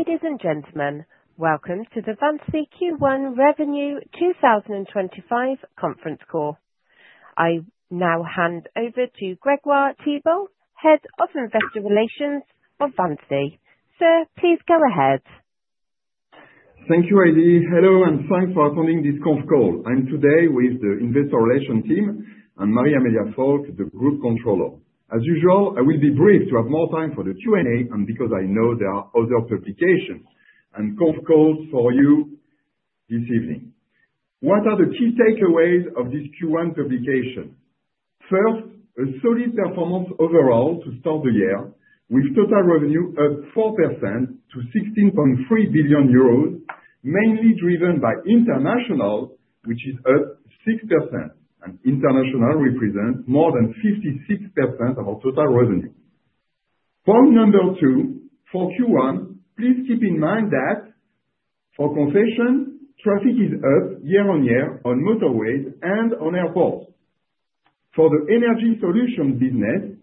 Ladies and gentlemen, welcome to the VINCI Q1 Revenue 2025 Conference Call. I now hand over to Grégoire Thibault, Head of Investor Relations for VINCI. Sir, please go ahead. Thank you, Heidi. Hello, and thanks for attending this conference call. I'm today with the Investor Relations team and Marie-Amélia Folch, the Group Controller. As usual, I will be brief to have more time for the Q&A and because I know there are other publications and conference calls for you this evening. What are the key takeaways of this Q1 publication? First, a solid performance overall to start the year, with total revenue up 4% to 16.3 billion euros, mainly driven by international, which is up 6%. International represents more than 56% of our total revenue. Point number two for Q1, please keep in mind that for concession, traffic is up year-on-year on motorways and on airports. For the energy solutions business,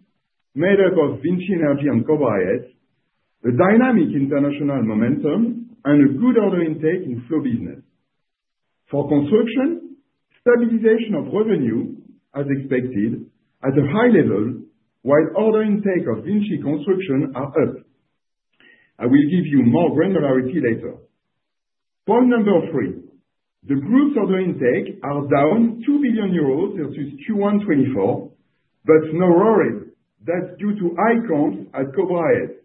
made up of VINCI Energies and Cobra IS, a dynamic international momentum and a good order intake in flow business. For construction, stabilization of revenue, as expected, at a high level, while order intake of VINCI Construction is up. I will give you more granularity later. Point number three, the group's order intake is down 2 billion euros versus Q1 2024, but no worries, that's due to high comps at Cobra IS.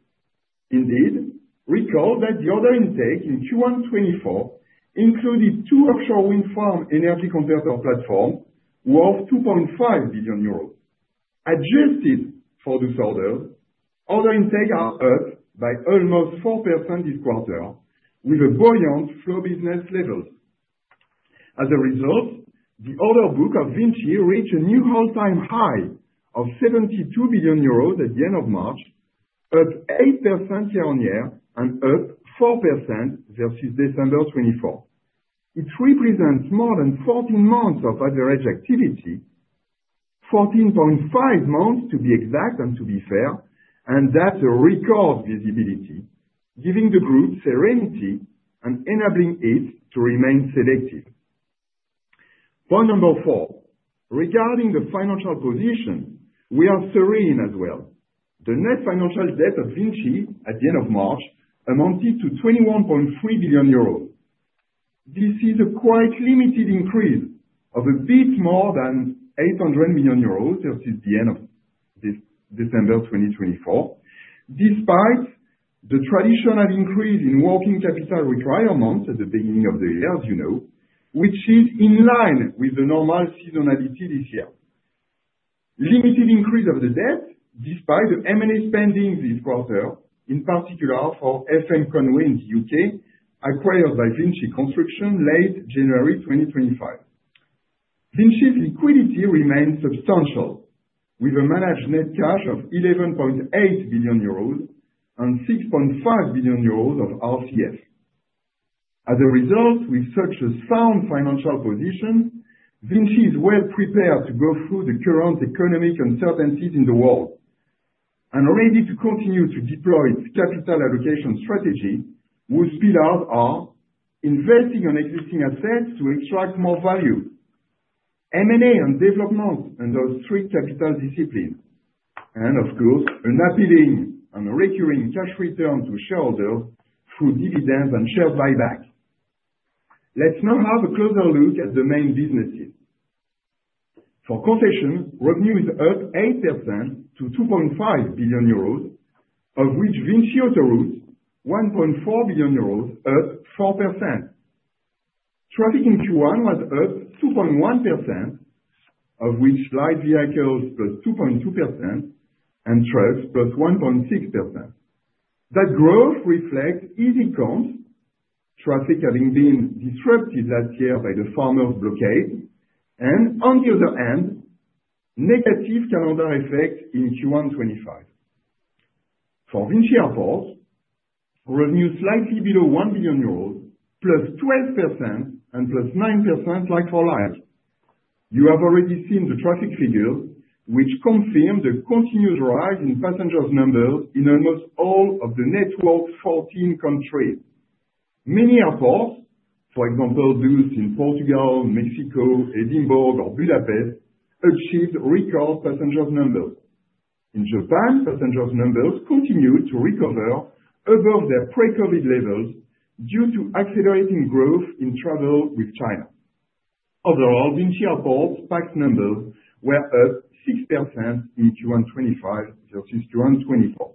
Indeed, recall that the order intake in Q1 2024 included two offshore wind farm energy converter platforms worth 2.5 billion euros. Adjusted for those orders, order intake is up by almost 4% this quarter, with a buoyant flow business level. As a result, the order book of VINCI reached a new all-time high of 72 billion euros at the end of March, up 8% year-on-year and up 4% versus December 2024. It represents more than 14 months of average activity, 14.5 months to be exact and to be fair, and that's a record visibility, giving the group serenity and enabling it to remain selective. Point number four, regarding the financial position, we are serene as well. The net financial debt of Vinci at the end of March amounted to 21.3 billion euros. This is a quite limited increase of a bit more than 800 million euros versus the end of December 2024, despite the traditional increase in working capital requirements at the beginning of the year, as you know, which is in line with the normal seasonality this year. Limited increase of the debt despite the M&A spending this quarter, in particular for FM Conway in the U.K., acquired by VINCI Construction late January 2025. VINCI's liquidity remains substantial, with a managed net cash of 11.8 billion euros and 6.5 billion euros of RCF. As a result, with such a sound financial position, VINCI is well prepared to go through the current economic uncertainties in the world and ready to continue to deploy its capital allocation strategy with Pillar 1, investing on existing assets to extract more value, M&A and development, and those three capital disciplines. Of course, an appealing and a recurring cash return to shareholders through dividends and share buyback. Let's now have a closer look at the main businesses. For concession, revenue is up 8% to 2.5 billion euros, of which VINCI Autoroutes 1.4 billion euros, up 4%. Traffic in Q1 was up 2.1%, of which light vehicles plus 2.2% and trucks plus 1.6%. That growth reflects easy comps, traffic having been disrupted last year by the farmers' blockade, and on the other hand, negative calendar effect in Q1 2025. For VINCI Airports, revenue slightly below 1 billion euros, plus 12% and plus 9% like-for-like. You have already seen the traffic figures, which confirm the continuous rise in passengers' numbers in almost all of the network's 14 countries. Many airports, for example, those in Portugal, Mexico, Edinburgh, or Budapest, achieved record passengers' numbers. In Japan, passengers' numbers continued to recover above their pre-COVID levels due to accelerating growth in travel with China. Overall, VINCI Airports' PAX numbers were up 6% in Q1 2025 versus Q1 2024.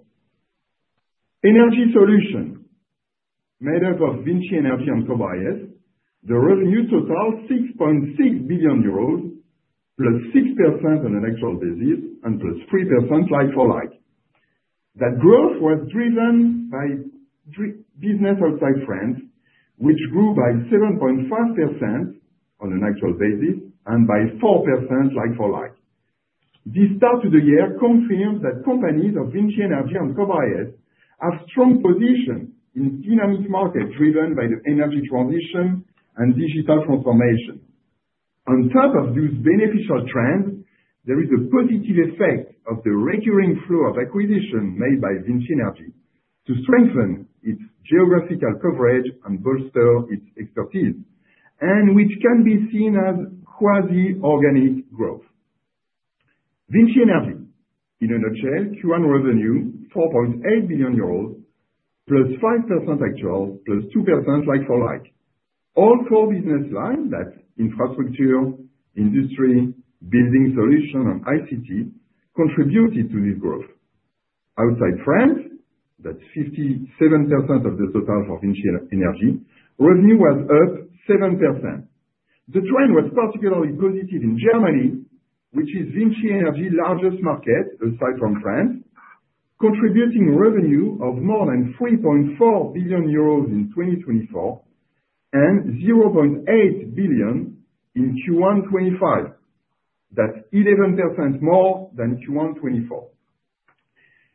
Energy solution, made up of VINCI Energies and Cobra IS, the revenue total 6.6 billion euros, plus 6% on an actual basis and plus 3% like-for-like. That growth was driven by business outside France, which grew by 7.5% on an actual basis and by 4% like-for-like. This start of the year confirms that companies of VINCI Energies and Cobra have strong positions in dynamic markets driven by the energy transition and digital transformation. On top of those beneficial trends, there is a positive effect of the recurring flow of acquisition made by VINCI Energies to strengthen its geographical coverage and bolster its expertise, and which can be seen as quasi-organic growth. VINCI Energies in a nutshell, Q1 revenue 4.8 billion euros, plus 5% actual, plus 2% like-for-like. All four business lines, that's infrastructure, industry, building solution, and ICT, contributed to this growth. Outside France, that's 57% of the total for VINCI Energies, revenue was up 7%. The trend was particularly positive in Germany, which is VINCI Energies' largest market aside from France, contributing revenue of more than 3.4 billion euros in 2024 and 0.8 billion in Q1 2025, that's 11% more than Q1 2024.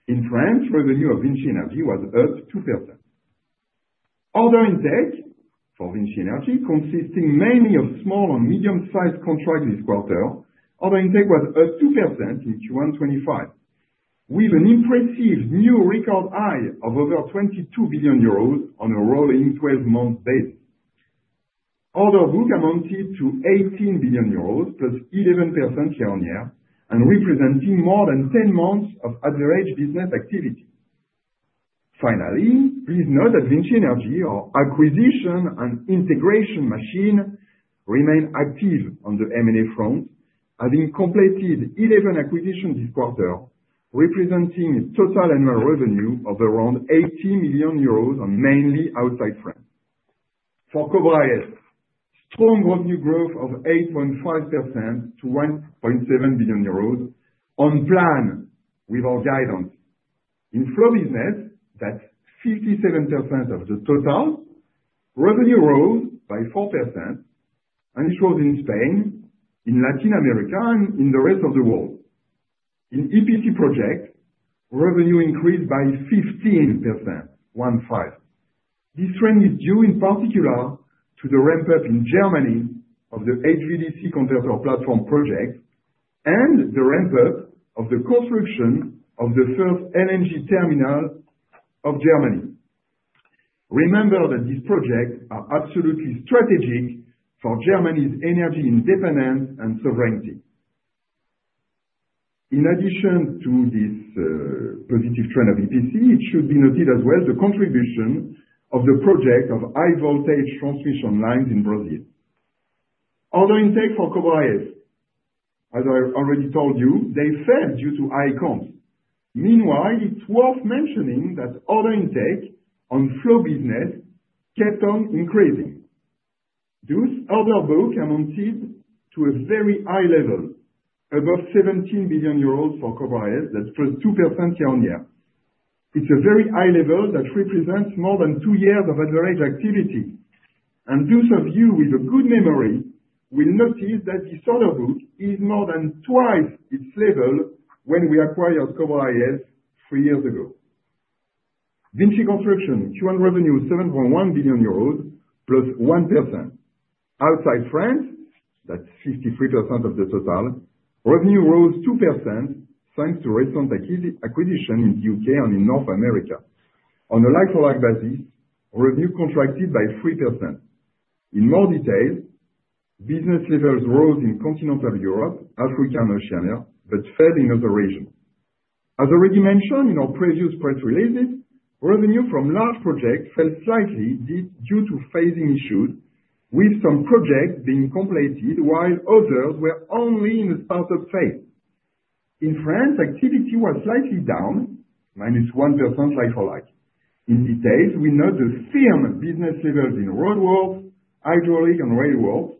In France, revenue of VINCI Energies was up 2%. Order intake for VINCI Energies, consisting mainly of small and medium-sized contracts this quarter, order intake was up 2% in Q1 2025, with an impressive new record high of over 22 billion euros on a rolling 12-month basis. Order book amounted to 18 billion euros, plus 11% year-on-year, and representing more than 10 months of average business activity. Finally, please note that VINCI Energies, our acquisition and integration machine, remained active on the M&A front, having completed 11 acquisitions this quarter, representing total annual revenue of around 80 million euros mainly outside France. For Cobra IS, strong revenue growth of 8.5% to 1.7 billion euros on plan with our guidance. In flowbusiness, that's 57% of the total, revenue rose by 4%, and it rose in Spain, in Latin America, and in the rest of the world. In EPC projects, revenue increased by 15%, 1.5%. This trend is due in particular to the ramp-up in Germany of the HVDC converter platform project and the ramp-up of the construction of the first LNG terminal of Germany. Remember that these projects are absolutely strategic for Germany's energy independence and sovereignty. In addition to this positive trend of EPC, it should be noted as well the contribution of the project of high-voltage transmission lines in Brazil. Order intake for Cobra, as I already told you, they fell due to high comps. Meanwhile, it's worth mentioning that order intake on flow business kept on increasing. Those order books amounted to a very high level, above 17 billion euros for Cobra IS, that's plus 2% year-on year. It's a very high level that represents more than two years of average activity. Those of you with a good memory will notice that this order book is more than twice its level when we acquired Cobra IS three years ago. VINCI Construction, Q1 revenue 7.1 billion euros, plus 1%. Outside France, that's 53% of the total, revenue rose 2%, thanks to recent acquisition in the U.K. and in North America. On a like-for-like basis, revenue contracted by 3%. In more detail, business levels rose in continental Europe, Africa, and Oceania, but fell in other regions. As already mentioned in our previous press releases, revenue from large projects fell slightly due to phasing issues, with some projects being completed while others were only in the startup phase. In France, activity was slightly down, minus 1% like-for-like. In detail, we note the firm business levels in roadworks, hydraulic, and railworks,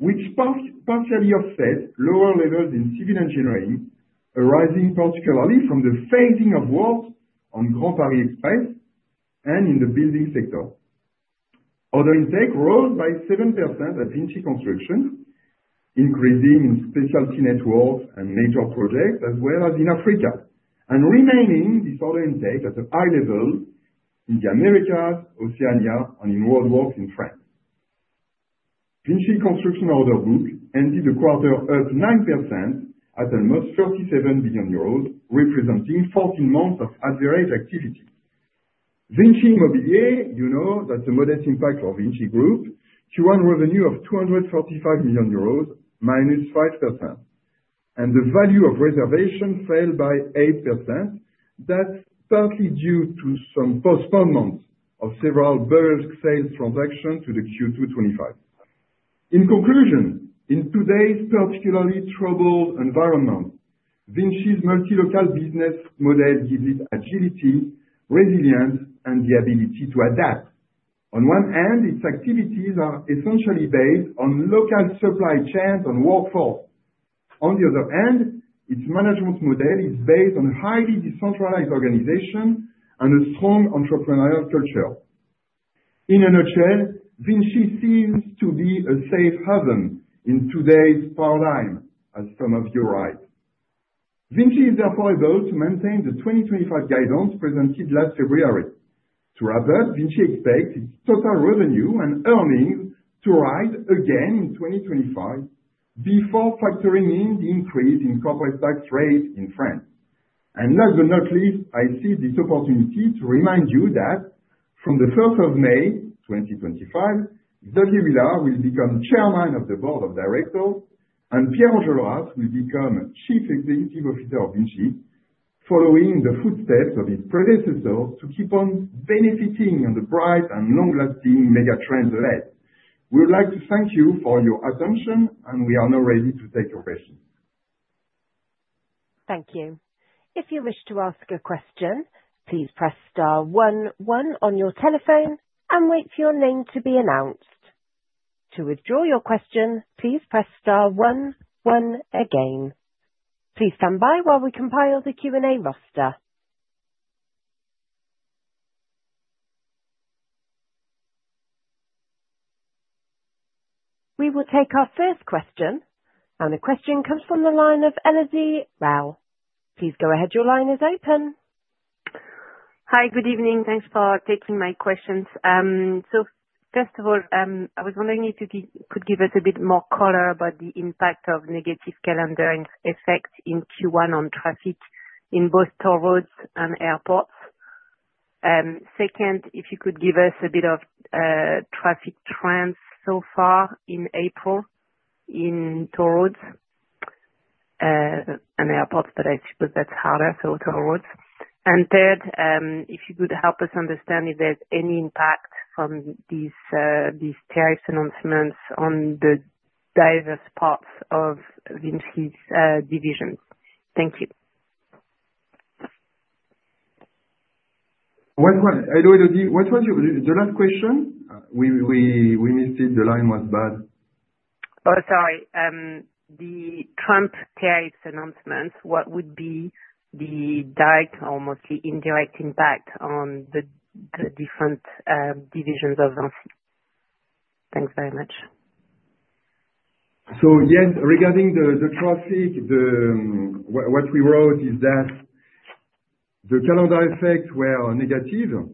which partially offset lower levels in civil engineering, arising particularly from the phasing of works on Grand Paris Express and in the building sector. Order intake rose by 7% at VINCI Construction, increasing in specialty networks and major projects, as well as in Africa, and remaining this order intake at a high level in the Americas, Oceania, and in roadworks in France. VINCI Construction order book ended the quarter up 9% at almost 37 billion euros, representing 14 months of average activity. VINCI Immobilier, you know that's a modest impact for VINCI Group, Q1 revenue of 245 million euros, minus 5%. The value of reservation fell by 8%. That's partly due to some postponements of several bulk sales transactions to the Q2 2025. In conclusion, in today's particularly troubled environment, VINCI's multilocal business model gives it agility, resilience, and the ability to adapt. On one hand, its activities are essentially based on local supply chains and workforce. On the other hand, its management model is based on a highly decentralized organization and a strong entrepreneurial culture. In a nutshell, VINCI seems to be a safe haven in today's paradigm, as some of you write. VINCI is therefore able to maintain the 2025 guidance presented last February. To wrap up, VINCI expects its total revenue and earnings to rise again in 2025 before factoring in the increase in corporate tax rates in France. Last but not least, I see this opportunity to remind you that from the 1st of May 2025, Xavier Huillard will become Chairman of the Board of Directors, and Pierre Anjolras will become Chief Executive Officer of Vinci, following in the footsteps of its predecessors to keep on benefiting on the bright and long-lasting megatrends ahead. We would like to thank you for your attention, and we are now ready to take your questions. Thank you. If you wish to ask a question, please press star one one on your telephone and wait for your name to be announced. To withdraw your question, please press star one one again. Please stand by while we compile the Q&A roster. We will take our first question, and the question comes from the line of Elodie Rall. Please go ahead. Your line is open. Hi, good evening. Thanks for taking my questions. First of all, I was wondering if you could give us a bit more color about the impact of negative calendar effect in Q1 on traffic in both toll roads and airports. Second, if you could give us a bit of traffic trends so far in April in toll roads and airports, but I suppose that's harder, so toll roads. Third, if you could help us understand if there's any impact from these tariff announcements on the diverse parts of Vinci's divisions. Thank you. What was the last question? We missed it. The line was bad. Oh, sorry. The Trump tariff announcements, what would be the direct or mostly indirect impact on the different divisions? Thanks very much. Yes, regarding the traffic, what we wrote is that the calendar effects were negative.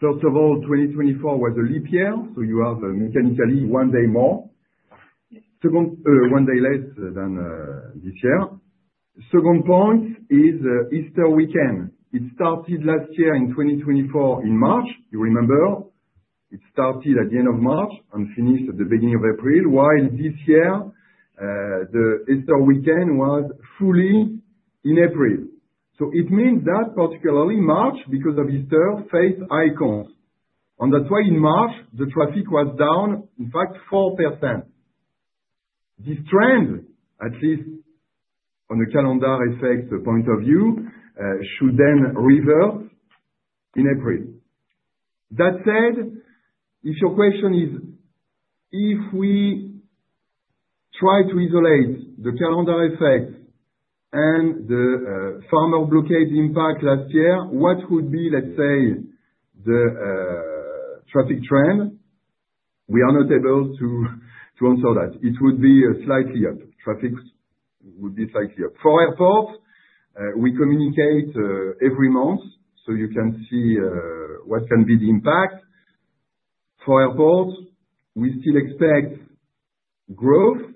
First of all, 2024 was a leap year, so you have mechanically one day more, one day less than this year. Second point is Easter weekend. It started last year in 2024 in March, you remember. It started at the end of March and finished at the beginning of April, while this year the Easter weekend was fully in April. It means that particularly March, because of Easter, faced high comps. That is why in March, the traffic was down, in fact, 4%. This trend, at least on the calendar effects point of view, should then reverse in April. That said, if your question is if we try to isolate the calendar effects and the farmer blockade impact last year, what would be, let's say, the traffic trend? We are not able to answer that. It would be slightly up. Traffic would be slightly up. For airports, we communicate every month, so you can see what can be the impact. For airports, we still expect growth,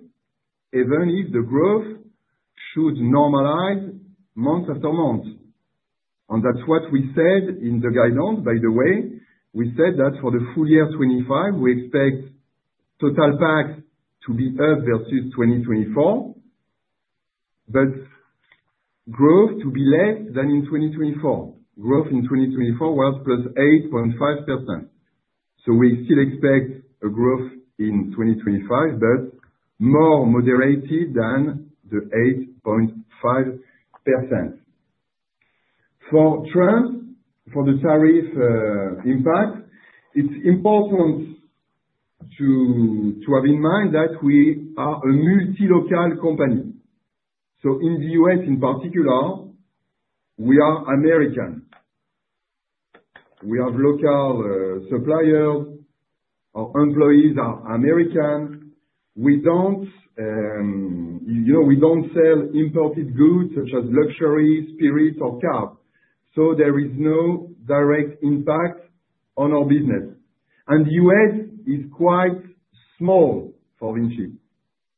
even if the growth should normalize month after month. That is what we said in the guidance, by the way. We said that for the full year 2025, we expect total PAX to be up versus 2024, but growth to be less than in 2024. Growth in 2024 was +8.5%. We still expect growth in 2025, but more moderated than the 8.5%. For Trump, for the tariff impact, it is important to have in mind that we are a multilocal company. In the U.S., in particular, we are American. We have local suppliers. Our employees are American. We do not sell imported goods such as luxury, spirits, or cars. There is no direct impact on our business. The U.S. is quite small for VINCI.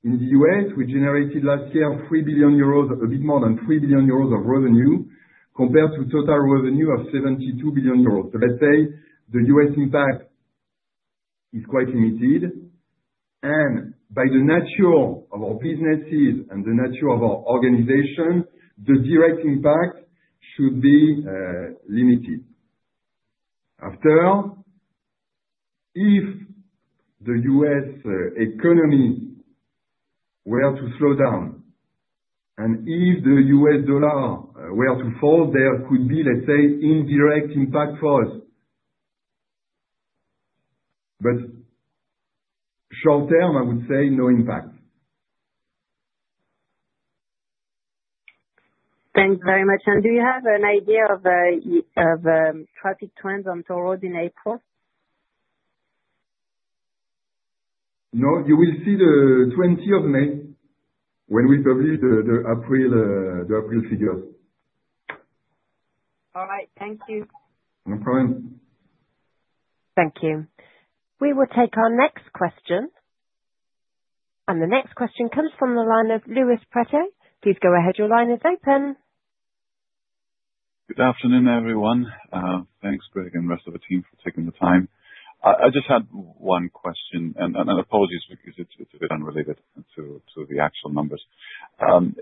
In the U.S., we generated last year €3 billion, a bit more than €3 billion of revenue, compared to total revenue of €72 billion. Let's say the U.S. impact is quite limited. By the nature of our businesses and the nature of our organization, the direct impact should be limited. After, if the U.S. economy were to slow down and if the U.S. dollar were to fall, there could be, let's say, indirect impact for us. Short term, I would say no impact. Thanks very much. Do you have an idea of traffic trends on toll roads in April? No, you will see the 20th of May when we publish the April figures. All right. Thank you. No problem. Thank you. We will take our next question. The next question comes from the line of Luis Prieto. Please go ahead. Your line is open. Good afternoon, everyone. Thanks, Greg, and the rest of the team for taking the time. I just had one question, and apologies because it's a bit unrelated to the actual numbers.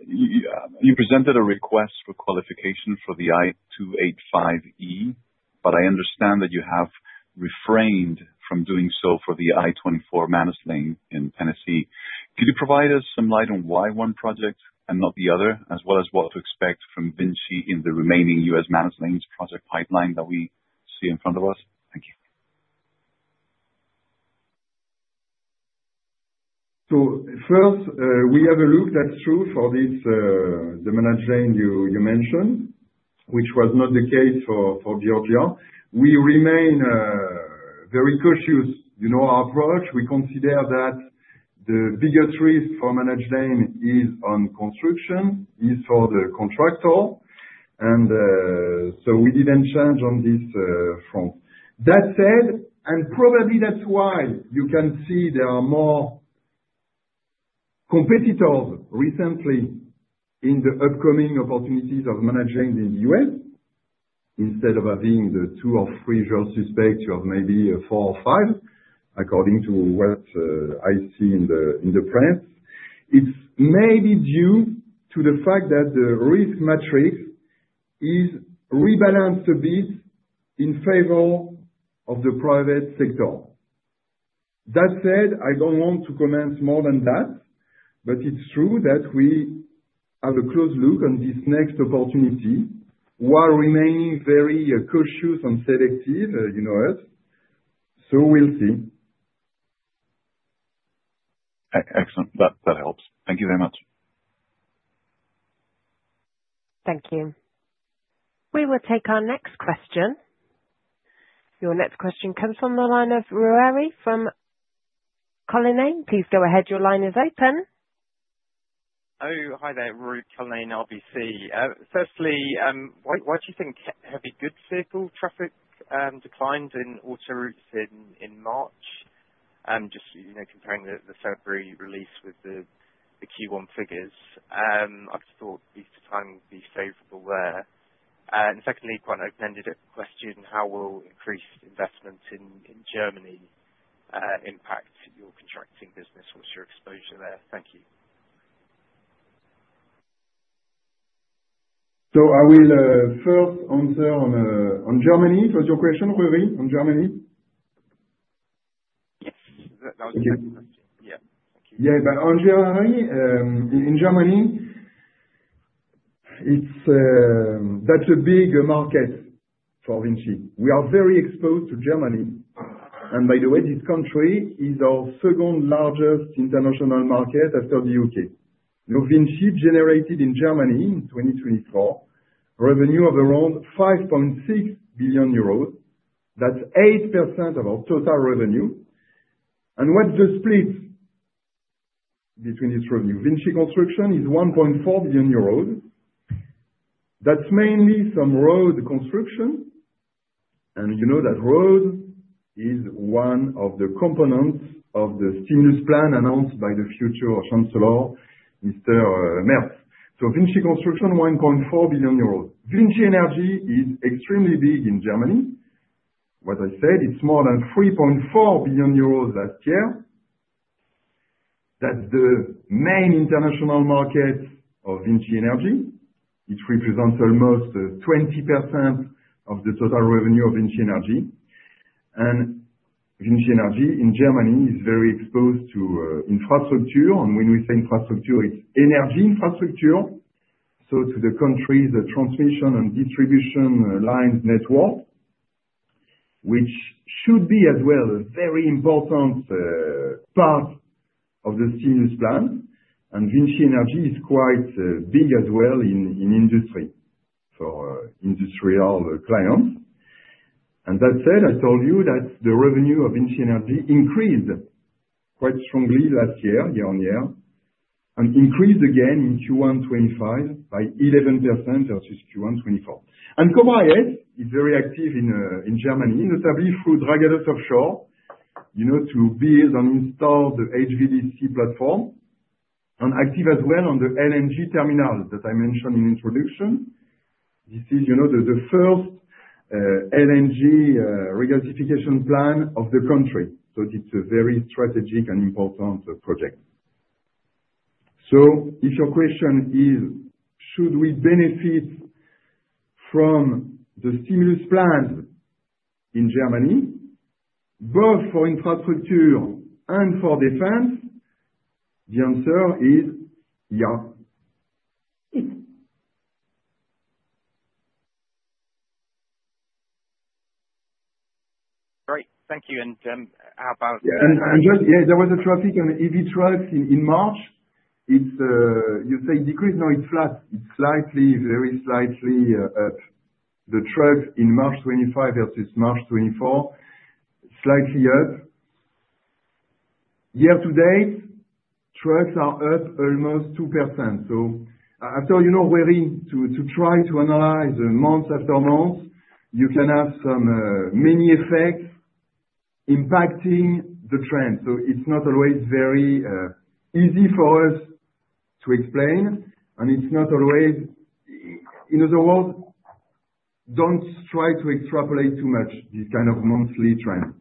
You presented a request for qualification for the I-285E, but I understand that you have refrained from doing so for the I-24 managed lane in Tennessee. Could you provide us some light on why one project and not the other, as well as what to expect from VINCI in the remaining US managed lanes project pipeline that we see in front of us? Thank you. First, we have a look, that's true for the managed lane you mentioned, which was not the case for Georgia. We remain very cautious. Our approach, we consider that the biggest risk for managed lane is on construction, is for the contractor. We didn't change on this front. That said, and probably that's why you can see there are more competitors recently in the upcoming opportunities of managed lanes in the U.S. Instead of having the two or three jurisdictions, you have maybe four or five, according to what I see in the press. It's maybe due to the fact that the risk matrix is rebalanced a bit in favor of the private sector. That said, I don't want to comment more than that, but it's true that we have a close look on this next opportunity while remaining very cautious and selective, you know it. We'll see. Excellent. That helps. Thank you very much. Thank you. We will take our next question. Your next question comes from the line of Ruairi Cullinane. Please go ahead. Your line is open. Oh, hi there, Ruairi Cullinane, RBC. Firstly, why do you think heavy goods vehicle traffic declined in Autoroutes in March? Just comparing the February release with the Q1 figures, I just thought lease time would be favorable there. Secondly, quite an open-ended question. How will increased investment in Germany impact your contracting business? What's your exposure there? Thank you. I will first answer on Germany. It was your question, Ruari, on Germany? Yes. That was the question. Yeah. Thank you. Yeah. In Germany, that's a big market for VINCI. We are very exposed to Germany. By the way, this country is our second largest international market after the U.K. VINCI generated in Germany in 2024 revenue of around 5.6 billion euros. That's 8% of our total revenue. What's the split between this revenue? VINCI Construction is 1.4 billion euros. That's mainly some road construction. You know that road is one of the components of the stimulus plan announced by the future Chancellor, Mr. Merz. VINCI Construction, 1.4 billion euros. VINCI Energies is extremely big in Germany. What I said, it is more than 3.4 billion euros last year. That is the main international market of VINCI Energies. It represents almost 20% of the total revenue of VINCI Energies. VINCI Energies in Germany is very exposed to infrastructure. When we say infrastructure, it is energy infrastructure, so to the country's transmission and distribution lines network, which should be as well a very important part of the stimulus plan. VINCI Energies is quite big as well in industry for industrial clients. That said, I told you that the revenue of VINCI Energies increased quite strongly last year, year- on-year, and increased again in Q1 2025 by 11% versus Q1 2024. Cobra IS is very active in Germany, notably through Dragados Offshore, to build and install the HVDC platform and active as well on the LNG terminal that I mentioned in introduction. This is the first LNG regasification plant of the country. It is a very strategic and important project. If your question is, should we benefit from the stimulus plan in Germany, both for infrastructure and for defense, the answer is yeah. Great. Thank you. How about, Yeah. Just, yeah, there was a traffic on EV trucks in March. You say decrease? No, it is flat. It is slightly, very slightly up. The trucks in March 2025 versus March 2024, slightly up. Year to date, trucks are up almost 2%. I told you to try to analyze month after month, you can have so many effects impacting the trend. It is not always very easy for us to explain, and it is not always, in other words, do not try to extrapolate too much these kind of monthly trends.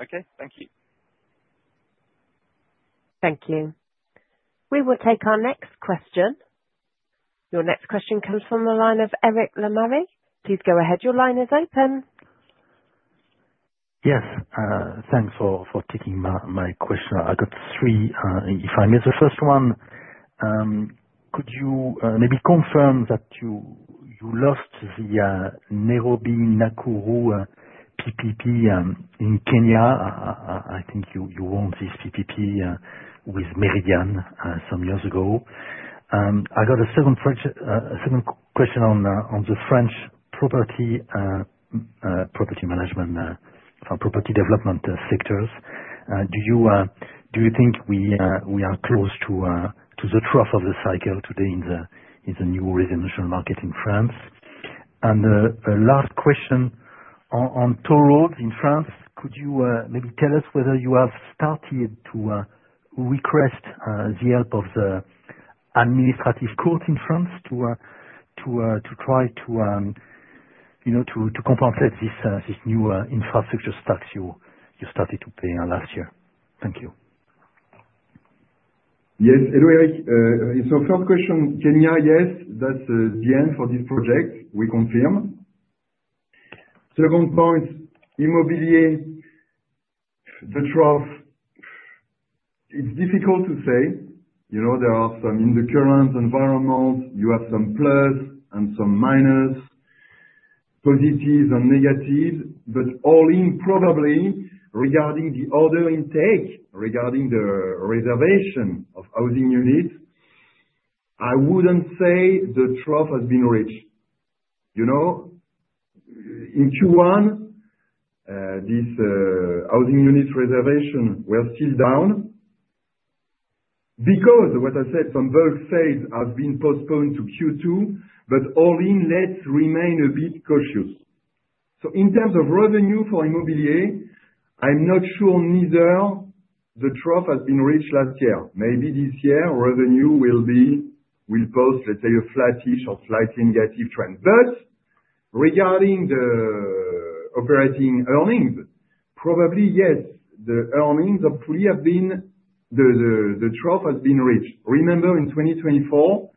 Okay. Thank you. Thank you. We will take our next question. Your next question comes from the line of Eric Lemarié. Please go ahead. Your line is open. Yes. Thanks for taking my question. I got three. If I miss the first one, could you maybe confirm that you lost the Nairobi-Nakuru PPP in Kenya? I think you won this PPP with Meridiam some years ago. I got a second question on the French property management, property development sectors. Do you think we are close to the trough of the cycle today in the new residential market in France? Last question on toll roads in France, could you maybe tell us whether you have started to request the help of the administrative court in France to try to compensate this new infrastructure tax you started to pay last year? Thank you. Yes. First question, Kenya, yes, that's the end for this project. We confirm. Second point, immobilier, the trough, it's difficult to say. There are some in the current environment, you have some plus and some minus, positives and negatives, but all in probably regarding the order intake, regarding the reservation of housing units, I wouldn't say the trough has been reached. In Q1, these housing units reservations were still down because, what I said, some bulk sales have been postponed to Q2, but all in, let's remain a bit cautious. In terms of revenue for Immobilier, I'm not sure neither the trough has been reached last year. Maybe this year, revenue will post, let's say, a flattish or slightly negative trend. First, regarding the operating earnings, probably yes, the earnings hopefully have been the trough has been reached. Remember, in 2024,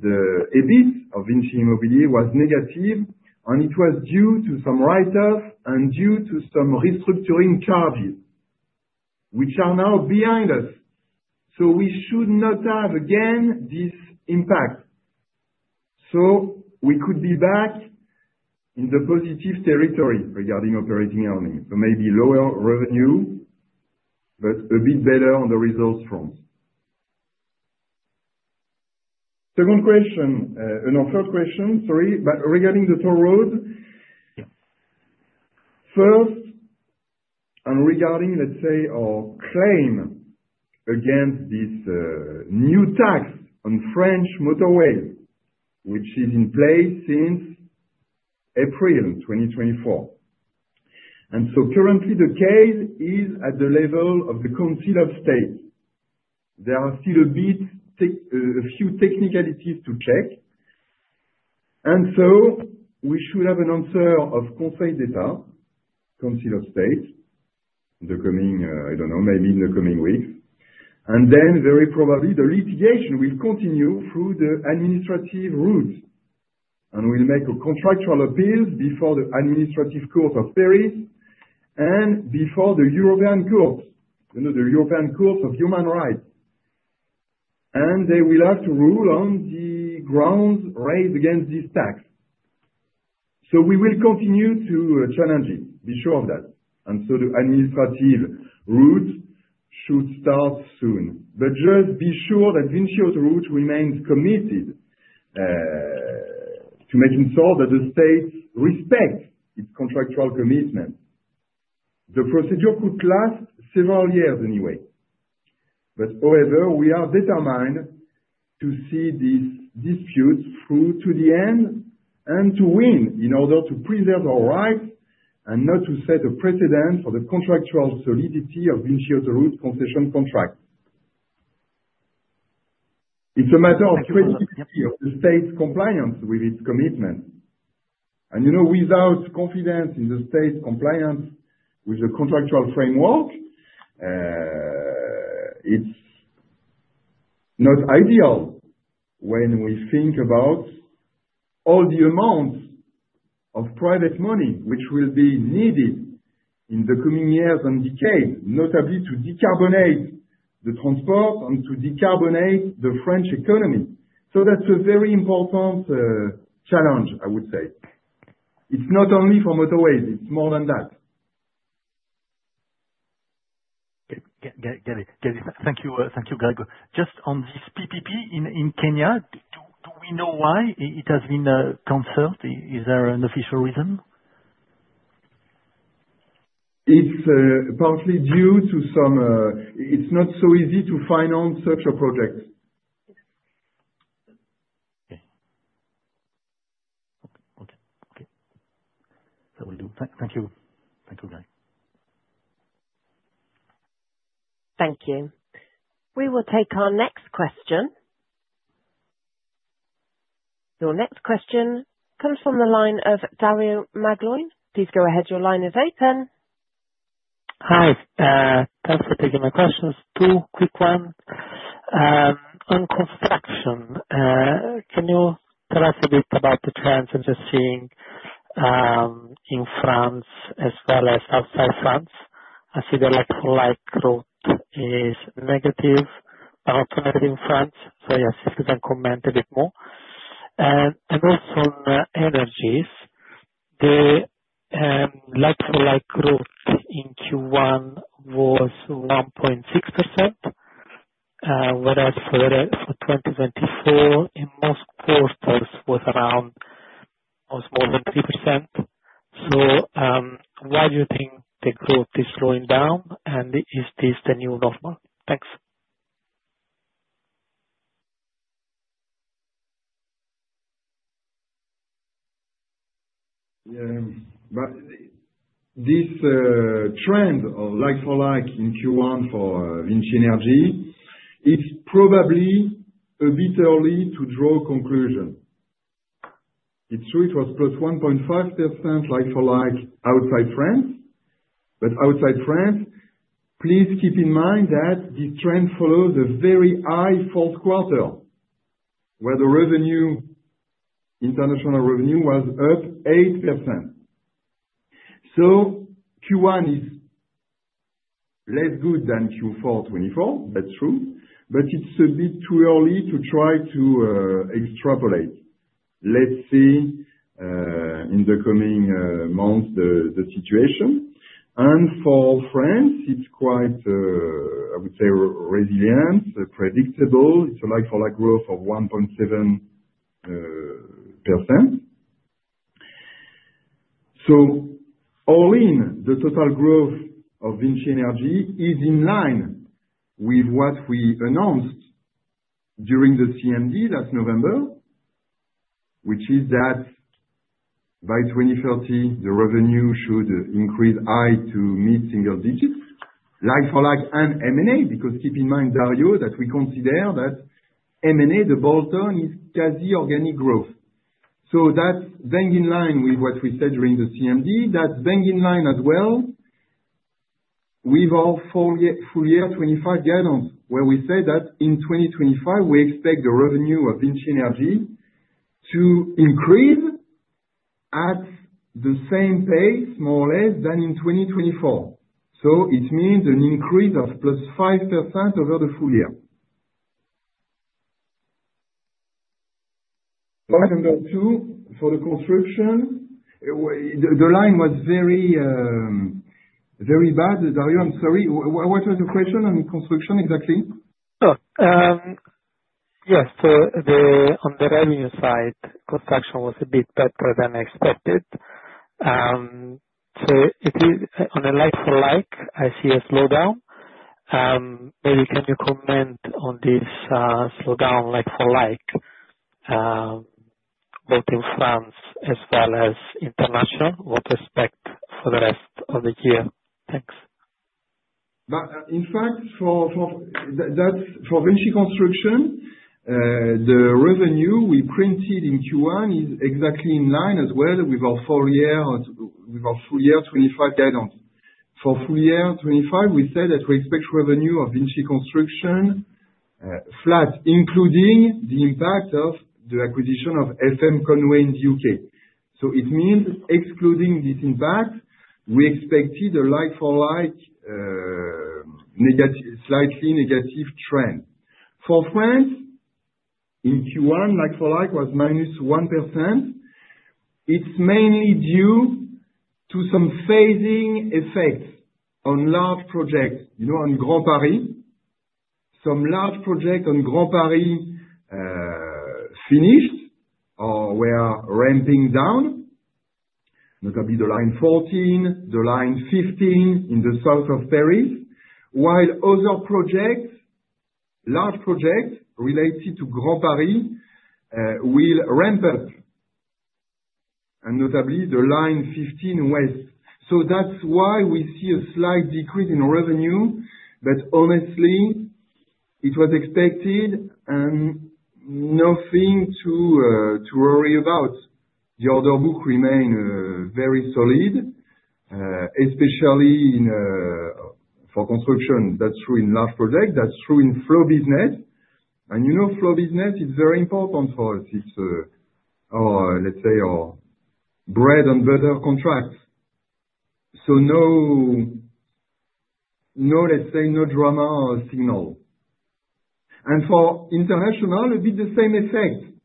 the EBIT of VINCI Immobilier was negative, and it was due to some write-offs and due to some restructuring charges, which are now behind us. We should not have again this impact. We could be back in the positive territory regarding operating earnings. Maybe lower revenue, but a bit better on the results front. Second question, no, third question, sorry, regarding the toll roads. First, regarding, let's say, our claim against this new tax on French motorways, which is in place since April 2024. Currently, the case is at the level of the Council of State. There are still a few technicalities to check. We should have an answer of Conseil d'État, Council of State, in the coming, I don't know, maybe in the coming weeks. Very probably, the litigation will continue through the administrative route, and we'll make a contractual appeal before the administrative court of Paris and before the European Court, the European Court of Human Rights. They will have to rule on the grounds raised against this tax. We will continue to challenge it. Be sure of that. The administrative route should start soon. Just be sure that VINCI's Autoroutes remains committed to making sure that the state respects its contractual commitment. The procedure could last several years anyway. However, we are determined to see this dispute through to the end and to win in order to preserve our rights and not to set a precedent for the contractual solidity of VINCI's Autoroutes concession contract. It is a matter of criticality of the state's compliance with its commitment. Without confidence in the state's compliance with the contractual framework, it is not ideal when we think about all the amounts of private money which will be needed in the coming years and decades, notably to decarbonize the transport and to decarbonize the French economy. That is a very important challenge, I would say. It is not only for motorways. It is more than that. Thank you, Grégoire. Just on this PPP in Kenya, do we know why it has been canceled? Is there an official reason? It is partly due to some—it is not so easy to finance such a project. Okay. Okay. That will do. Thank you. Thank you, Greg. Thank you. We will take our next question. Your next question comes from the line of Dario Maglione. Please go ahead. Your line is open. Hi. Thanks for taking my questions. Two quick ones. On construction, can you tell us a bit about the trends I'm just seeing in France as well as outside France? I see the like-for-like route is negative, but not negative in France. Yes, if you can comment a bit more. Also on energies, the like-for-like route in Q1 was 1.6%, whereas for 2024, in most quarters, was around almost more than 3%. Why do you think the growth is slowing down, and is this the new normal? Thanks. Yeah. This trend of like-for-like in Q1 for VINCI Energies, it's probably a bit early to draw a conclusion. It's true it was plus 1.5% like-for-like outside France. Outside France, please keep in mind that this trend follows a very high fourth quarter, where the revenue, international revenue, was up 8%. Q1 is less good than Q4 2024. That's true. It's a bit too early to try to extrapolate. Let's see in the coming months the situation. For France, it's quite, I would say, resilient, predictable. It's a like-for-like growth of 1.7%. All in, the total growth of VINCI Energies is in line with what we announced during the CMD last November, which is that by 2030, the revenue should increase high to mid-single digits, like-for-like and M&A, because keep in mind, Dario, that we consider that M&A, the ball turn, is quasi-organic growth. That's bang in line with what we said during the CMD. That's bang in line as well with our full year 2025 guidance, where we said that in 2025, we expect the revenue of VINCI Energies to increase at the same pace, more or less, than in 2024. It means an increase of +5% over the full year. Number two, for the construction, the line was very bad. Dario, I'm sorry. What was the question on construction exactly? Sure. Yes. On the revenue side, construction was a bit better than expected. On the like-for-like, I see a slowdown. Maybe can you comment on this slowdown, like-for-like, both in France as well as international? What to expect for the rest of the year? Thanks. In fact, for VINCI Construction, the revenue we printed in Q1 is exactly in line as well with our full year 2025 guidance. For full year 2025, we said that we expect revenue of VINCI Construction flat, including the impact of the acquisition of FM Conway in the U.K. It means excluding this impact, we expected a like-for-like slightly negative trend. For France, in Q1, like-for-like was -1%. It is mainly due to some phasing effects on large projects in Grand Paris. Some large projects in Grand Paris finished or were ramping down, notably the Line 14, the Line 15 in the south of Paris, while other projects, large projects related to Grand Paris, will ramp up, notably the line 15 west. That is why we see a slight decrease in revenue. Honestly, it was expected and nothing to worry about. The order book remained very solid, especially for construction. That is true in large projects. That is true in flow business. Flow business is very important for us. It's, let's say, our bread-and-butter contracts. No, let's say, no drama signal. For international, a bit the same effect.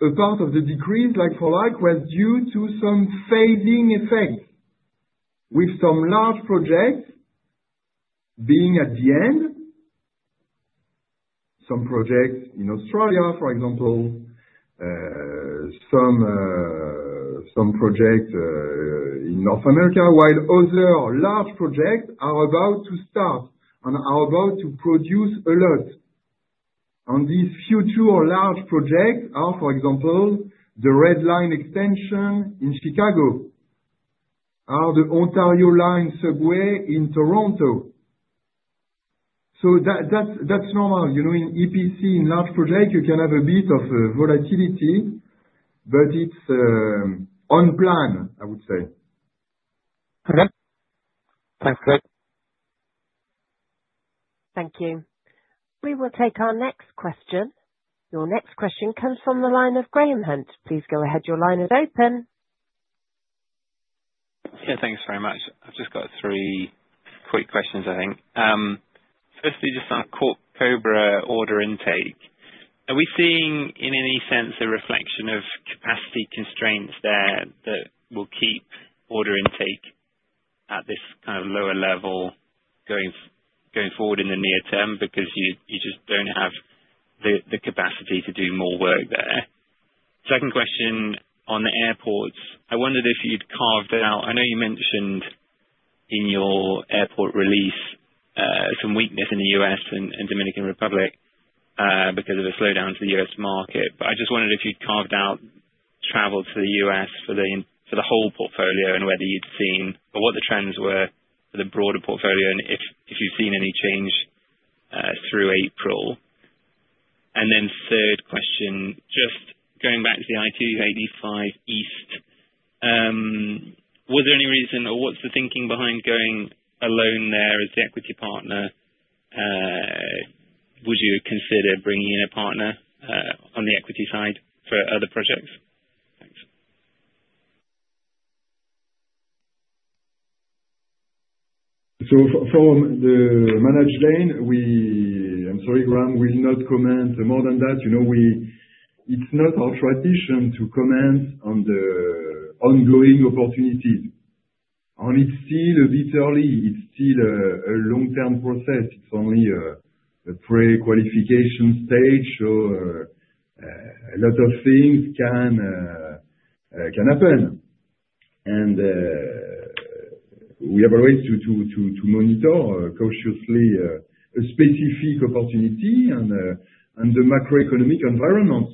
A part of the decreased light-for-light was due to some phasing effects, with some large projects being at the end, some projects in Australia, for example, some projects in North America, while other large projects are about to start and are about to produce a lot. These future large projects are, for example, the Red Line Extension in Chicago, the Ontario Line subway in Toronto. That's normal. In EPC, in large projects, you can have a bit of volatility, but it's on plan, I would say. Okay. Thanks, Greg. Thank you. We will take our next question. Your next question comes from the line of Graham Hunt. Please go ahead. Your line is open. Yeah. Thanks very much. I've just got three quick questions, I think. Firstly, just on the Cobra order intake, are we seeing in any sense a reflection of capacity constraints there that will keep order intake at this kind of lower level going forward in the near term because you just do not have the capacity to do more work there? Second question on the airports. I wondered if you had carved out, I know you mentioned in your airport release some weakness in the U.S. and Dominican Republic because of the slowdown to the U.S. market. I just wondered if you had carved out travel to the U.S. for the whole portfolio and whether you had seen or what the trends were for the broader portfolio and if you have seen any change through April. Third question, just going back to the I-285 East, was there any reason or what is the thinking behind going alone there as the equity partner? Would you consider bringing in a partner on the equity side for other projects? Thanks. From the managed lane, I'm sorry, Graham, we will not comment more than that. It is not our tradition to comment on the ongoing opportunities. It is still a bit early. It is still a long-term process. It is only a pre-qualification stage, so a lot of things can happen. We have a way to monitor cautiously a specific opportunity and the macroeconomic environment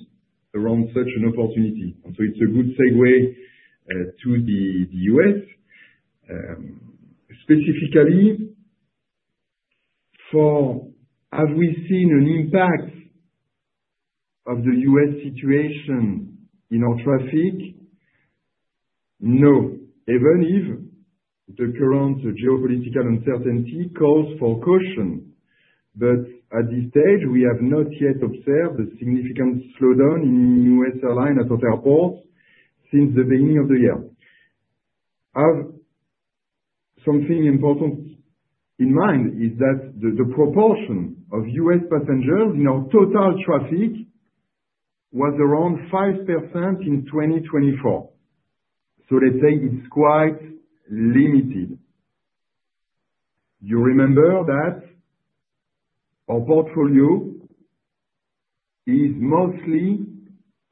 around such an opportunity. It is a good segue to the U.S. Specifically, have we seen an impact of the U.S. situation in our traffic? No. Even if the current geopolitical uncertainty calls for caution. At this stage, we have not yet observed a significant slowdown in U.S. airline at our airports since the beginning of the year. Something important in mind is that the proportion of U.S. passengers in our total traffic was around 5% in 2024. Let's say it's quite limited. You remember that our portfolio is mostly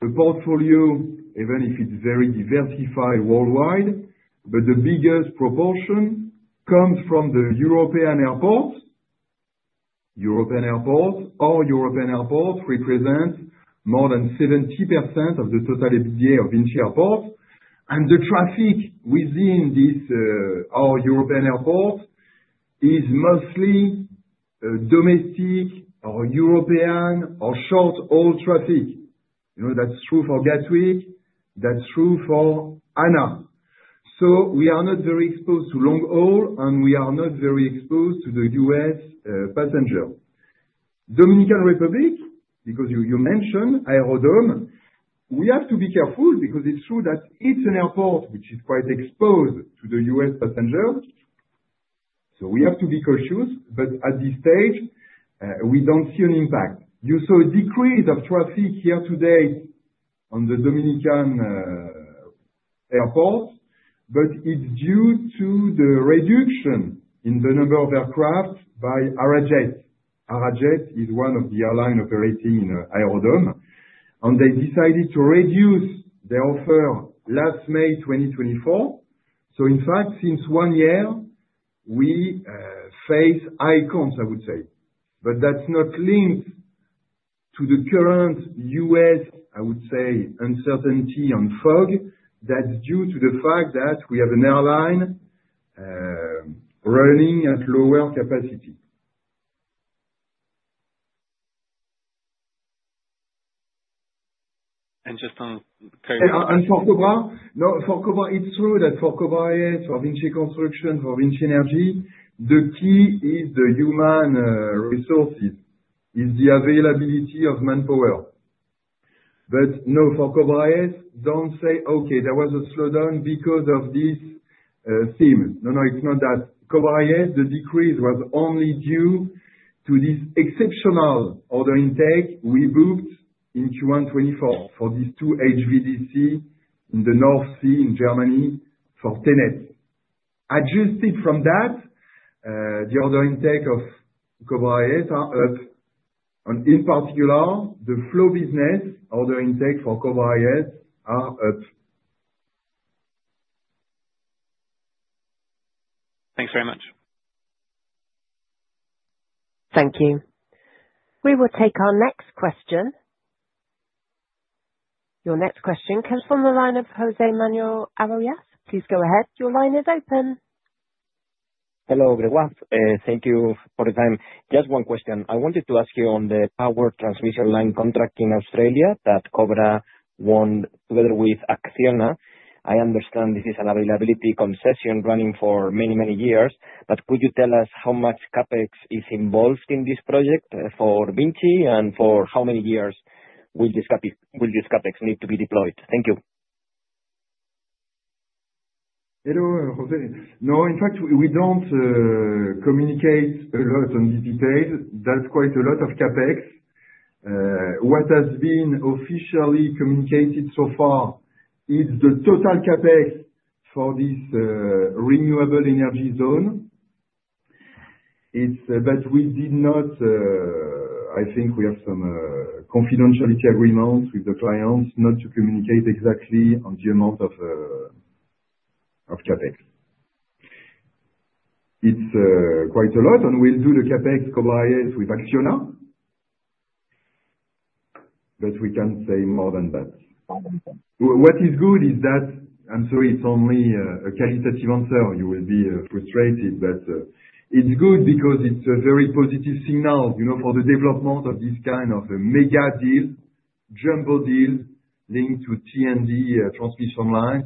a portfolio, even if it's very diversified worldwide, but the biggest proportion comes from the European airports. European airports or European airports represent more than 70% of the total of VINCI Airports. The traffic within European airports is mostly domestic or European or short-haul traffic. That's true for Gatwick. That's true for ANA. We are not very exposed to long-haul, and we are not very exposed to the U.S. passenger. Dominican Republic, because you mentioned Aerodom, we have to be careful because it's true that it's an airport which is quite exposed to the U.S. passengers. We have to be cautious. At this stage, we don't see an impact. You saw a decrease of traffic yesterday on the Dominican airport, but it's due to the reduction in the number of aircraft by Arajet. Arajet is one of the airlines operating in Aerodom. They decided to reduce their offer last May 2024. In fact, since one year, we face high comps, I would say. That's not linked to the current U.S., I would say, uncertainty and fog. That's due to the fact that we have an airline running at lower capacity. Just on— Sorry. For Cobra? No, for Cobra, it's true that for Cobra IS, for VINCI Construction, for VINCI Energies, the key is the human resources, is the availability of manpower. No, for Cobra IS, don't say, "Okay, there was a slowdown because of this theme." No, no, it's not that. Cobra IS, the decrease was only due to this exceptional order intake we booked in Q1 2024 for these two HVDC in the North Sea in Germany for TenneT. Adjusted from that, the order intake of Cobra IS are up. In particular, the flow business order intake for Cobra IS are up. Thanks very much. Thank you. We will take our next question. Your next question comes from the line of José Manuel Arroyas. Please go ahead. Your line is open. Hello, Gregoire. Thank you for the time. Just one question. I wanted to ask you on the power transmission line contract in Australia that Cobra won together with Acciona. I understand this is an availability concession running for many, many years. Could you tell us how much CapEx is involved in this project for VINCI and for how many years will this CapEx need to be deployed? Thank you. Hello, José. No, in fact, we do not communicate a lot on this detail. That is quite a lot of CapEx. What has been officially communicated so far is the total CapEx for this renewable energy zone. We did not, I think we have some confidentiality agreements with the clients not to communicate exactly on the amount of CapEx. It is quite a lot, and we will do the CapEx, Cobra IS with Acciona. We cannot say more than that. What is good is that—I am sorry, it is only a qualitative answer. You will be frustrated. It is good because it is a very positive signal for the development of this kind of mega deal, jumbo deal linked to T&D transmission lines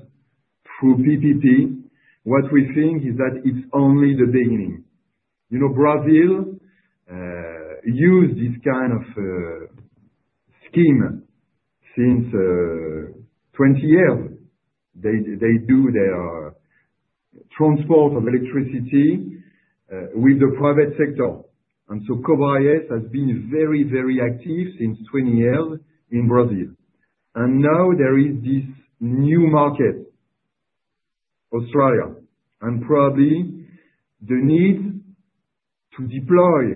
through PPP. What we think is that it is only the beginning. Brazil used this kind of scheme since 20 years. They do their transport of electricity with the private sector. Cobra IS has been very, very active since 20 years in Brazil. Now there is this new market, Australia. Probably the need to deploy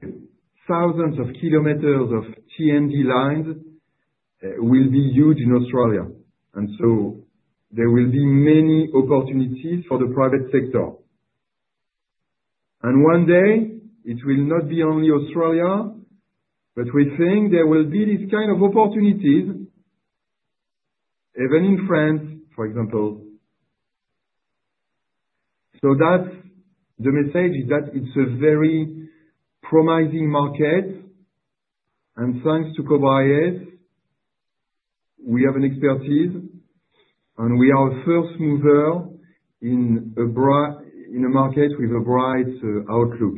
thousands of kilometers of T&D lines will be huge in Australia. There will be many opportunities for the private sector. One day, it will not be only Australia, but we think there will be this kind of opportunities, even in France, for example. The message is that it is a very promising market. Thanks to Cobra IS, we have an expertise, and we are a first mover in a market with a bright outlook.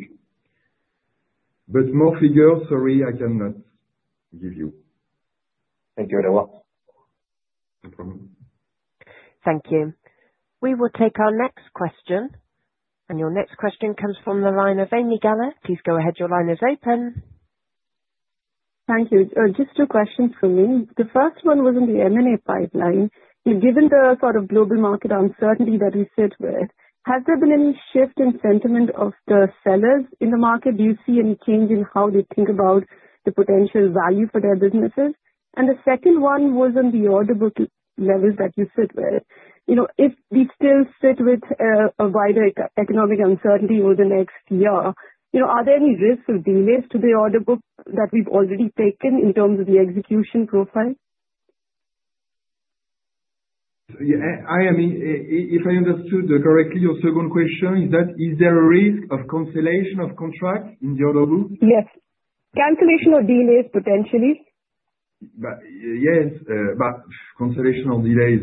More figures, sorry, I cannot give you. Thank you very much. No problem. Thank you. We will take our next question. Your next question comes from the line of Ami Galla. Please go ahead. Your line is open. Thank you. Just two questions for me. The first one was on the M&A pipeline. Given the sort of global market uncertainty that we sit with, has there been any shift in sentiment of the sellers in the market? Do you see any change in how they think about the potential value for their businesses? The second one was on the order book levels that you sit with. If we still sit with a wider economic uncertainty over the next year, are there any risks or delays to the order book that we've already taken in terms of the execution profile? If I understood correctly, your second question is that is there a risk of cancellation of contracts in the order book? Yes. Cancellation or delays potentially? Yes. Cancellation or delays,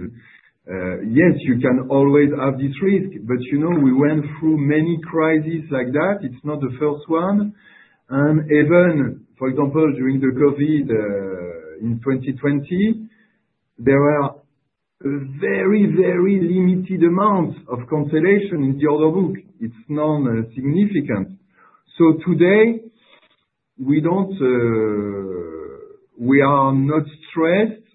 yes, you can always have this risk. We went through many crises like that. It's not the first one. Even, for example, during the COVID in 2020, there were very, very limited amounts of cancellation in the order book. It's non-significant. Today, we are not stressed.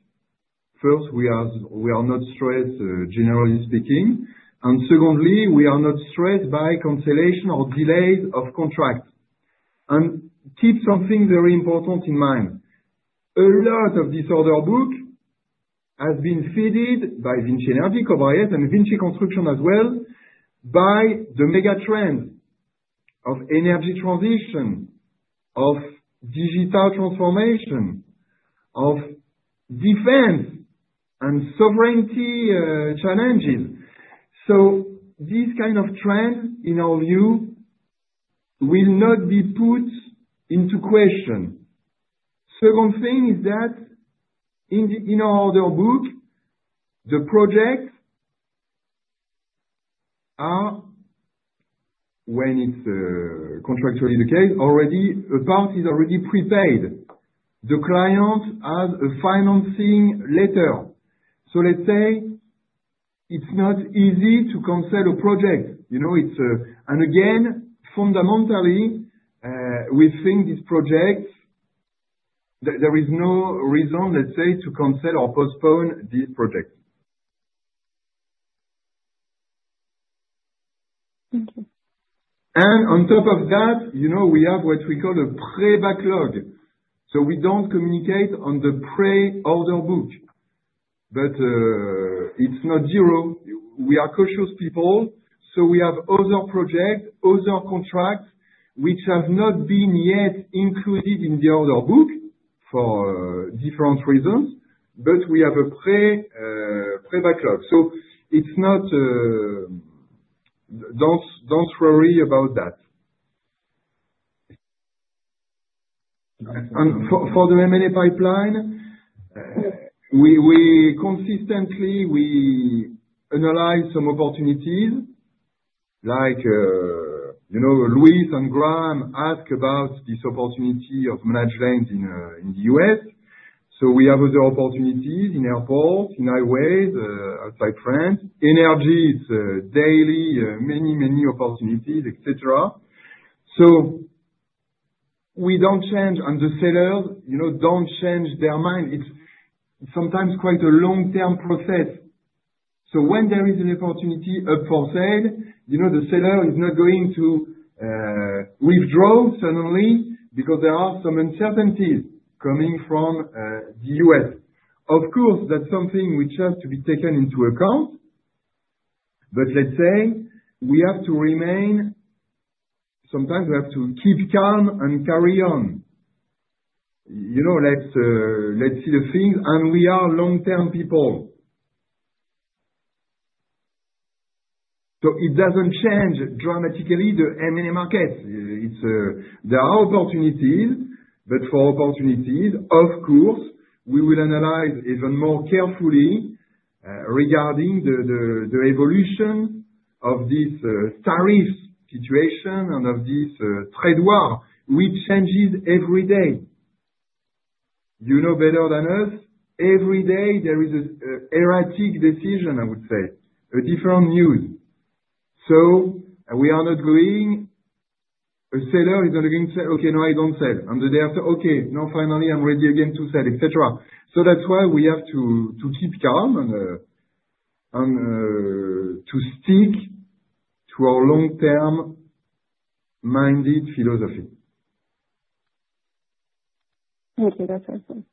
First, we are not stressed, generally speaking. Secondly, we are not stressed by cancellation or delays of contracts. Keep something very important in mind. A lot of this order book has been fitted by VINCI Energies, Cobra IS, and VINCI Construction as well by the mega trends of energy transition, of digital transformation, of defense and sovereignty challenges. These kinds of trends, in our view, will not be put into question. Second thing is that in our order book, the projects are, when it's contractually the case, already a part is already prepaid. The client has a financing letter. Let's say it's not easy to cancel a project. Again, fundamentally, we think this project, there is no reason, let's say, to cancel or postpone this project. Thank you. On top of that, we have what we call a pre-backlog. We do not communicate on the pre-order book, but it is not zero. We are cautious people. We have other projects, other contracts which have not been yet included in the order book for different reasons, but we have a pre-backlog. Do not worry about that. For the M&A pipeline, consistently, we analyze some opportunities. Like Luis and Graham ask about this opportunity of managed lanes in the US. We have other opportunities in airports, in highways, outside France. Energy is daily, many, many opportunities, etc. We do not change, and the sellers do not change their mind. It is sometimes quite a long-term process. When there is an opportunity up for sale, the seller is not going to withdraw suddenly because there are some uncertainties coming from the U.S. Of course, that's something which has to be taken into account. Let's say we have to remain, sometimes we have to keep calm and carry on. Let's see the things. We are long-term people. It does not change dramatically the M&A markets. There are opportunities, but for opportunities, of course, we will analyze even more carefully regarding the evolution of this tariff situation and of this trade war, which changes every day. You know better than us. Every day, there is an erratic decision, I would say, a different news. We are not going, a seller is not going to say, "Okay, no, I don't sell." The day after, "Okay, now finally, I'm ready again to sell," etc. That's why we have to keep calm and to stick to our long-term-minded philosophy. Thank you. That's awesome.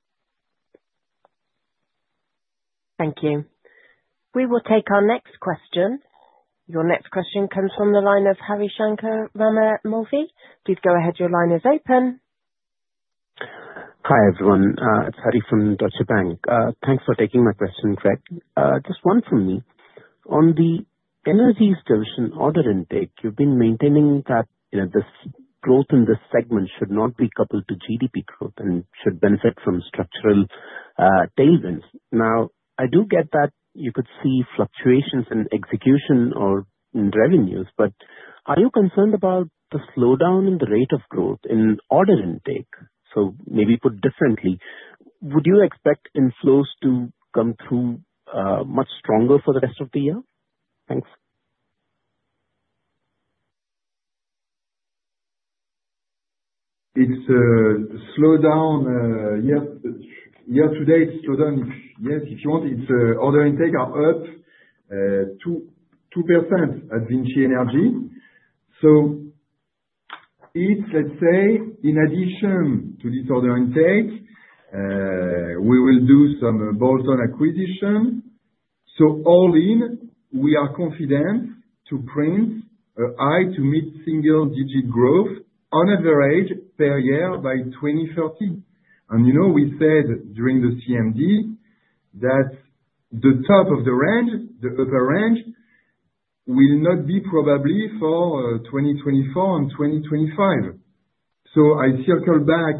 Thank you. We will take our next question. Your next question comes from the line of Harishankar Ramamoorthy. Please go ahead. Your line is open. Hi, everyone. It's Hari from Deutsche Bank. Thanks for taking my question, Greg. Just one from me. On the energy distribution order intake, you've been maintaining that this growth in this segment should not be coupled to GDP growth and should benefit from structural tailwinds. Now, I do get that you could see fluctuations in execution or in revenues. Are you concerned about the slowdown in the rate of growth in order intake? Maybe put differently, would you expect inflows to come through much stronger for the rest of the year? Thanks. It's slowed down. Yep. Yesterday, it slowed down. Yes, if you want, its order intake are up 2% at Vinci Energy. Let's say, in addition to this order intake, we will do some bolt-on acquisition. All in, we are confident to print a high-to-mid single-digit growth on average per year by 2030. We said during the CMD that the top of the range, the upper range, will not be probably for 2024 and 2025. I circle back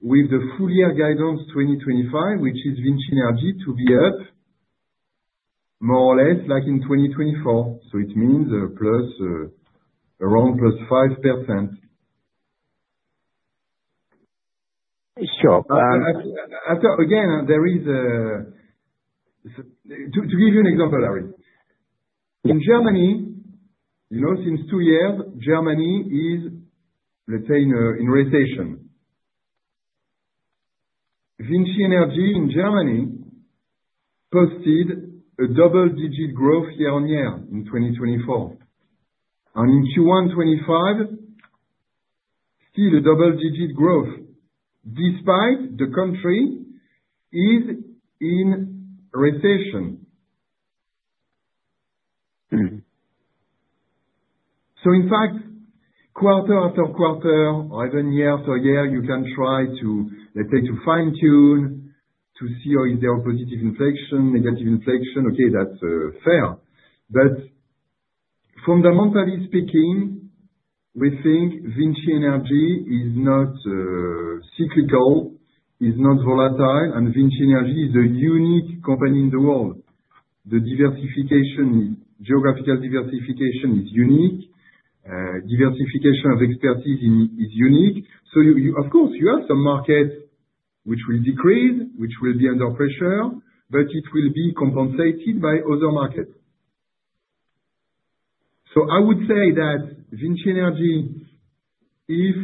with the full-year guidance 2025, which is VINCI Energies to be up more or less like in 2024. It means around plus 5%. Sure. Again, To give you an example, Harry. In Germany, since two years, Germany is, let's say, in recession. Vinci Energy in Germany posted a double-digit growth year-on-year in 2024. In Q1 2025, still a double-digit growth despite the country is in recession. In fact, quarter after quarter, or even year after year, you can try to, let's say, fine-tune to see if there are positive inflation, negative inflation. Okay, that's fair. Fundamentally speaking, we think VINCI Energies is not cyclical, is not volatile, and VINCI Energies is a unique company in the world. The geographical diversification is unique. Diversification of expertise is unique. Of course, you have some markets which will decrease, which will be under pressure, but it will be compensated by other markets. I would say that VINCI Energies, if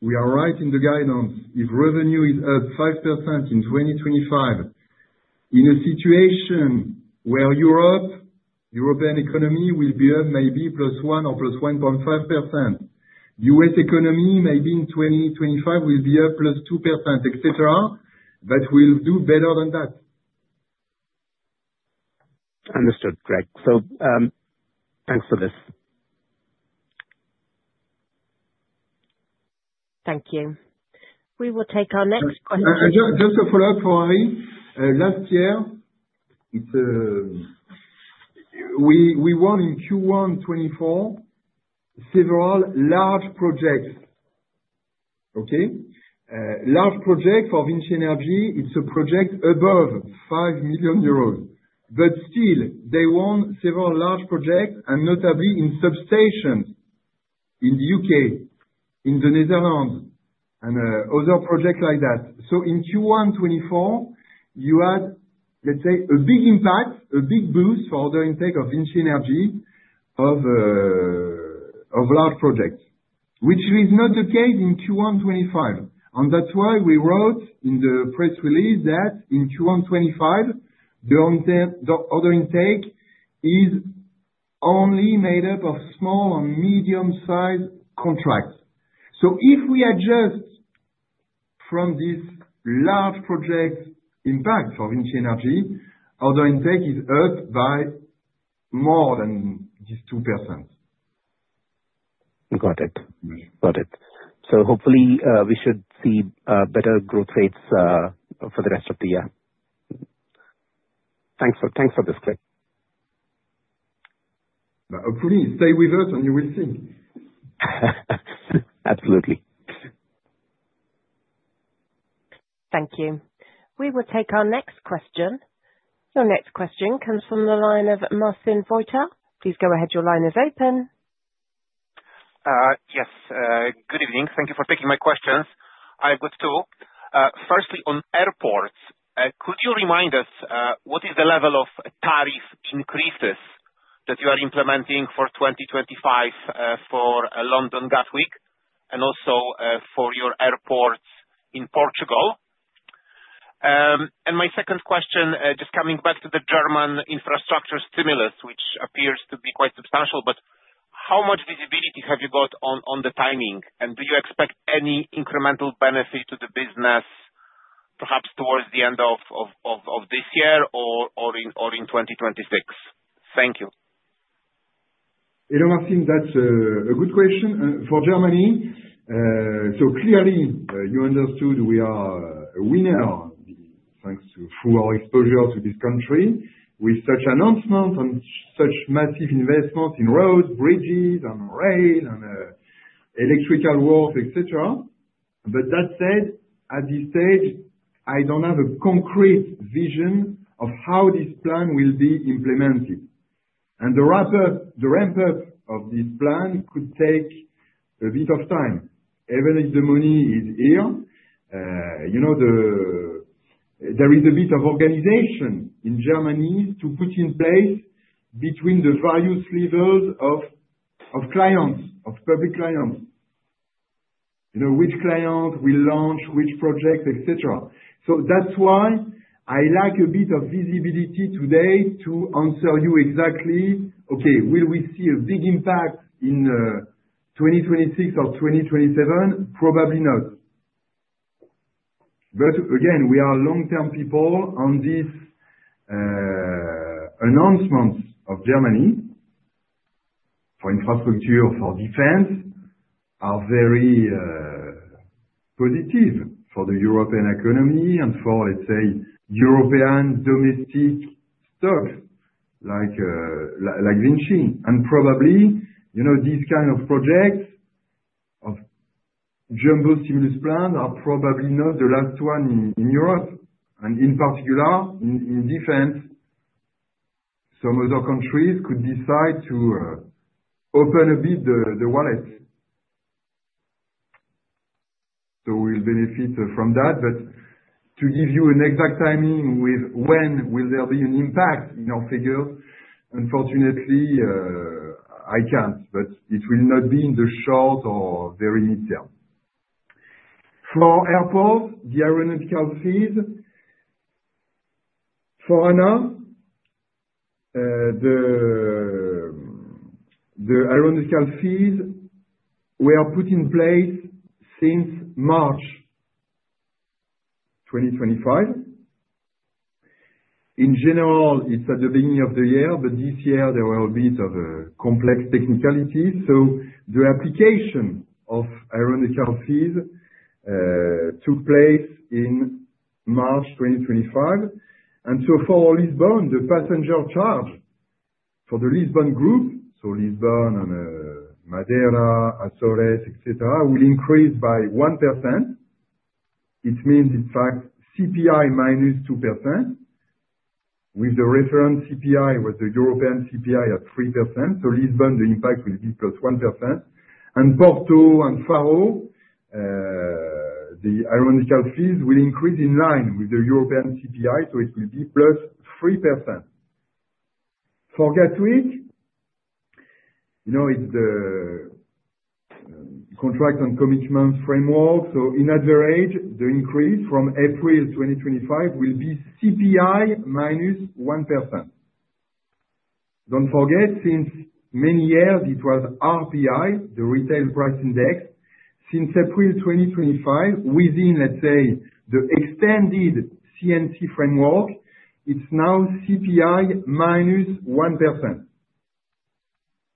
we are right in the guidance, if revenue is up 5% in 2025, in a situation where Europe, European economy will be up maybe plus 1% or plus 1.5%, U.S. economy maybe in 2025 will be up plus 2%, etc., but will do better than that. Understood, Greg. Thanks for this. Thank you. We will take our next question. Just a follow-up for Hari. Last year, we won in Q1 2024 several large projects. Okay? Large projects for VINCI Energies, it is a project above 5 million euros. Still, they won several large projects, and notably in substations in the U.K., in the Netherlands, and other projects like that. In Q1 2024, you had, let's say, a big impact, a big boost for order intake of VINCI Energies of large projects, which is not the case in Q1 2025. That is why we wrote in the press release that in Q1 2025, the order intake is only made up of small and medium-sized contracts. If we adjust from this large project impact for VINCI Energies, order intake is up by more than these 2%. Got it. Got it. Hopefully, we should see better growth rates for the rest of the year. Thanks for this, Greg. Hopefully, stay with us and you will see. Absolutely. Thank you. We will take our next question. Your next question comes from the line of Marcin Wojtal. Please go ahead. Your line is open. Yes. Good evening. Thank you for taking my questions. I have got two. Firstly, on airports, could you remind us what is the level of tariff increases that you are implementing for 2025 for London Gatwick and also for your airports in Portugal? And my second question, just coming back to the German infrastructure stimulus, which appears to be quite substantial, but how much visibility have you got on the timing? And do you expect any incremental benefit to the business, perhaps towards the end of this year or in 2026? Thank you. Marcin, that's a good question. For Germany, you understood we are a winner thanks to our exposure to this country with such announcements and such massive investments in roads, bridges, and rail, and electrical works, etc. That said, at this stage, I don't have a concrete vision of how this plan will be implemented. The ramp-up of this plan could take a bit of time. Even if the money is here, there is a bit of organization in Germany to put in place between the various levels of clients, of public clients, which client will launch which project, etc. That's why I lack a bit of visibility today to answer you exactly, okay, will we see a big impact in 2026 or 2027? Probably not. Again, we are long-term people on these announcements of Germany for infrastructure, for defense, are very positive for the European economy and for, let's say, European domestic stocks like VINCI. Probably these kinds of projects of jumbo stimulus plans are probably not the last one in Europe. In particular, in defense, some other countries could decide to open a bit the wallet. We will benefit from that. To give you an exact timing with when will there be an impact in our figures, unfortunately, I can't. It will not be in the short or very mid-term. For airports, the aeronautical fees for now, the aeronautical fees were put in place since March 2025. In general, it's at the beginning of the year, but this year, there were a bit of complex technicalities. The application of aeronautical fees took place in March 2025. For Lisbon, the passenger charge for the Lisbon group, so Lisbon and Madeira, Azores, etc., will increase by 1%. It means, in fact, CPI minus 2%, with the reference CPI, with the European CPI at 3%. Lisbon, the impact will be plus 1%. Porto and Faro, the aeronautical fees will increase in line with the European CPI, so it will be plus 3%. For Gatwick, it is the contract and commitment framework. On average, the increase from April 2025 will be CPI minus 1%. Do not forget, since many years, it was RPI, the Retail Price Index. Since April 2025, within, let's say, the extended C&C framework, it is now CPI minus 1%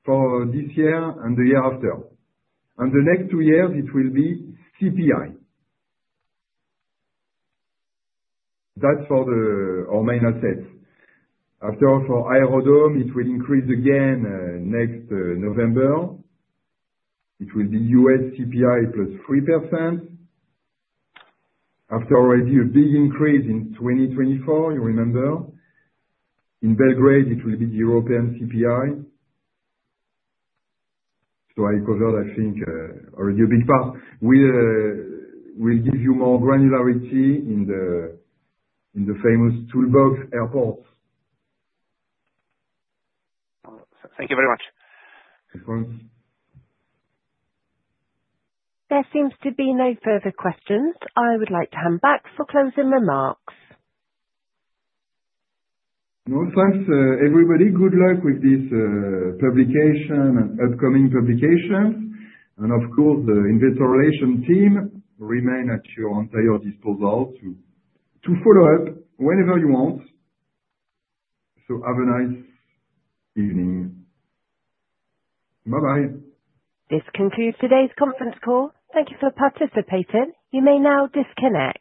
for this year and the year after. The next two years, it will be CPI. That is for our main assets. After, for Aerodom, it will increase again next November. It will be US CPI plus 3%. After. Already a big increase in 2024, you remember. In Belgrade, it will be the European CPI. I covered, I think, already a big part. We'll give you more granularity in the famous TAV Airports. Thank you very much. Thanks. There seems to be no further questions. I would like to hand back for closing remarks. Thanks. Everybody, good luck with this publication and upcoming publications. Of course, the Investor Relations team remains at your entire disposal to follow up whenever you want. Have a nice evening. Bye-bye. This concludes today's conference call. Thank you for participating. You may now disconnect.